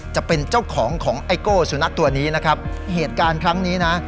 จะเป็นเจ้าของของไอโก้สุนัขตัวนี้นะครับเหตุการณ์ครั้งนี้นะ